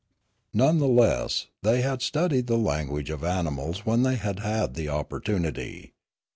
None the less had they studied the language of ani mals when they had had the opportunity.